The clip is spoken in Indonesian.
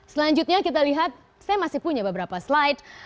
selanjutnya kita lihat saya masih punya beberapa slide